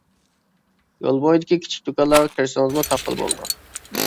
يول بويىدىكى كىچىك دۇكانلارغا كىرسىڭىزمۇ تاپقىلى بولىدۇ.